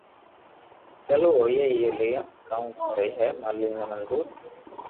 چلو جوئي ليو ڪاو سھي ھي مالڪ ني منظور